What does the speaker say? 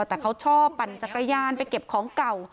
แต่เขาชอบปั่นจักรยานไปเก็บของเก่า